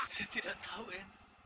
saya tidak tahu ayam